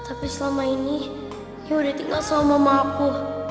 tapi selama ini ya udah tinggal sama mama aku